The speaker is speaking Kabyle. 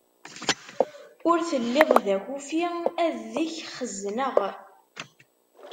Ur telliḍ d akufi, ad deg-k xezzneɣ!